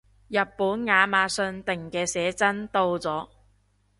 日本亞馬遜訂嘅寫真到咗